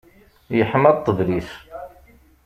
Yeḥma ṭṭbel-is.